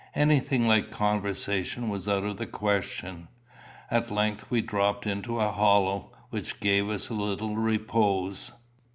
Anything like conversation was out of the question. At length we dropped into a hollow, which gave us a little repose.